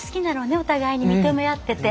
お互いに認め合ってて。